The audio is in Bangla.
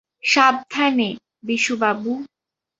সাবধানে, বিশু বাবু।